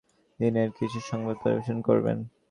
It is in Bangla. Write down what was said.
তাহলে তিনি আমাদের নিকট সে দিনের কিছু সংবাদ পরিবেশন করবেন।